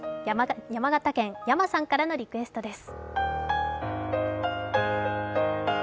山形県、やまさんからのリクエストです。